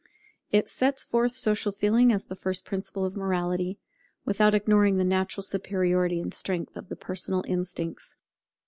It sets forth social feeling as the first principle of morality; without ignoring the natural superiority in strength of the personal instincts.